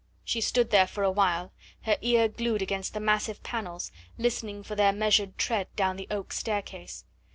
She stood there for a while, her ear glued against the massive panels, listening for their measured tread down the oak staircase.